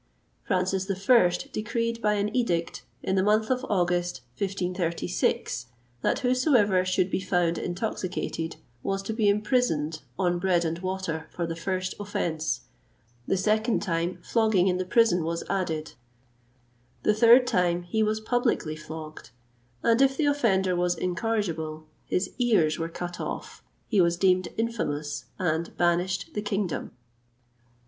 [XXVIII 170] Francis I. decreed, by an edict, in the month of August, 1536, that whosoever should be found intoxicated was to be imprisoned on bread and water for the first offence; the second time, flogging in the prison was added; the third time, he was publicly flogged; and if the offender was incorrigible, his ears were out off, he was deemed infamous, and banished the kingdom.